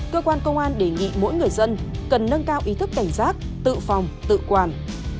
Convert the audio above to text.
cơ quan công an đề nghị mỗi người dân cần nâng cao ý thức cảnh giác tự phòng tự quản